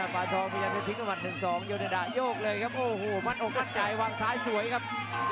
ปานธองยังจะทิ้งมาตั้งทั้ง๒ยูนิดายกเลยครับโอ้โห่วันอกล้านใจวางสายสวยครับ